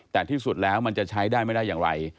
แต่ที่สุดแล้วมันจะใช้ได้ไม่ได้อย่างไร